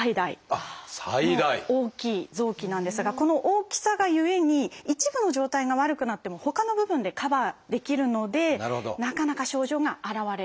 あっ最大！の大きい臓器なんですがこの大きさがゆえに一部の状態が悪くなってもほかの部分でカバーできるのでなかなか症状が現れにくい。